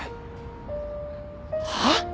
はあ！？